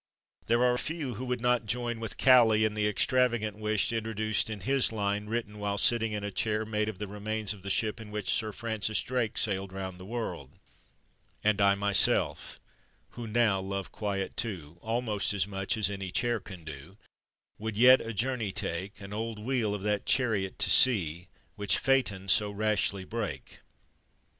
There are few who would not join with Cowley in the extravagant wish introduced in his lines "written while sitting in a chair made of the remains of the ship in which Sir Francis Drake sailed round the world:" And I myself, who now love quiet too, Almost as much, as any chair can do, Would yet a journey take An old wheel of that chariot to see, Which Phaeton so rashly brake.